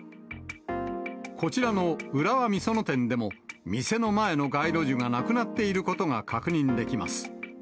こちらの浦和美園店でも、店の前の街路樹がなくなっていることが確認できます。